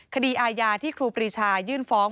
คดีอาญาที่ครูปรีชายื่นฟ้อง